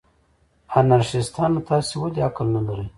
انارشیستانو، تاسې ولې عقل نه لرئ؟